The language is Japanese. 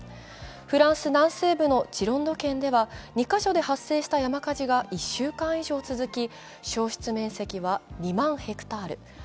フランス南西部のジロンド県では２カ所で発生した山火事が１週間以上続き、焼失面積は２万ヘクタール。